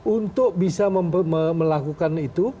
untuk bisa melakukan itu